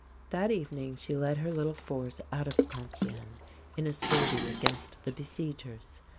That evening she led her little force out of Compiègne in a sortie against the besiegers.